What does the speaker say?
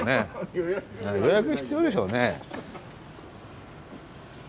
予約必要でしょうね。